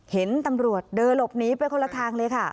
เห็นตำรวจเดินหลบหนีไปคนละทางเลยค่ะ